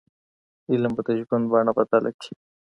علم به د ژوند بڼه بدله کړي.